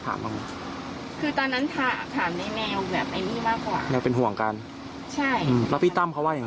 ทำแบบนี้ซึ่งเราก็ไม่เข้าใจว่าเผื่ออะไรขึ้น